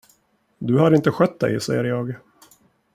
Du har inte skött dig, ser jag.